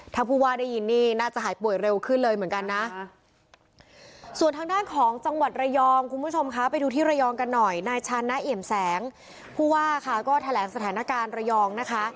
ถ้าผู้ว่าได้ยินนี่น่าจะหายป่วยเร็วขึ้นเลยเหมือนกันนะ